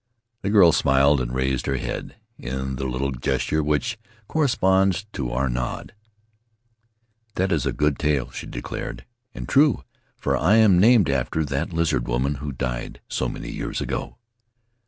The girl smiled and raised her head in the little gesture which corresponds to our nod. ' That is a good tale," she declared, "and true, for I am named after that Lizard W T oman who died so many years ago."